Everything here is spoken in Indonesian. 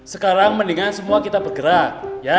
sekarang mendingan kita semua bergerak